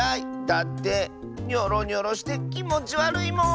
だってニョロニョロしてきもちわるいもん！